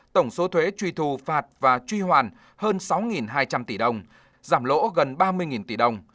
tổng số thuế truy thù phạt và truy hoàn hơn sáu hai trăm linh tỷ đồng giảm lỗ gần ba mươi tỷ đồng